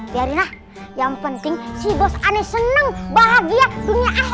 biarin lah yang penting si bos aneh seneng bahagia dunia akhirat